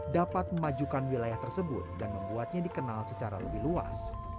dapat memajukan wilayah tersebut dan membuatnya dikenal secara lebih luas